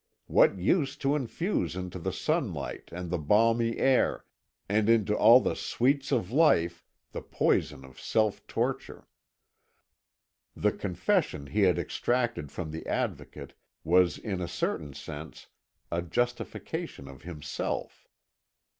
What use to infuse into the sunlight, and the balmy air, and into all the sweets of life, the poison of self torture? The confession he had extracted from the Advocate was in a certain sense a justification of himself.